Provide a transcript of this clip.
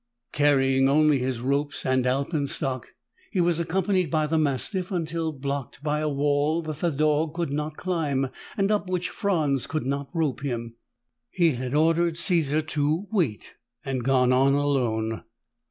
Carrying only his ropes and alpenstock, he was accompanied by the mastiff until blocked by a wall that the dog could not climb and up which Franz could not rope him. He had ordered Caesar to wait and gone on alone.